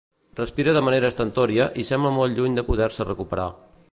Respira de manera estentòria i sembla molt lluny de poder-se recuperar.